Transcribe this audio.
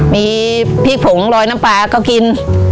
มีพริกผงลอยน้ำปลาก็กิน